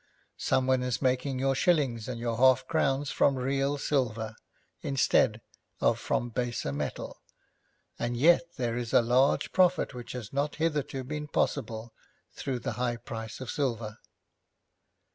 Someone is making your shillings and your half crowns from real silver, instead of from baser metal, and yet there is a large profit which has not hitherto been possible through the high price of silver.